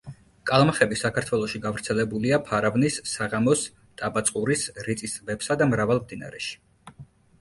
კალმახები საქართველოში გავრცელებულია ფარავნის, საღამოს, ტაბაწყურის, რიწის ტბებსა და მრავალ მდინარეში.